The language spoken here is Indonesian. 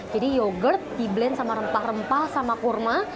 jadi yogurt di blend sama rempah rempah sama kurma